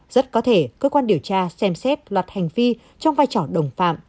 rất có thể cơ quan điều tra xem xét loạt hành vi trong vai trò đồng phạm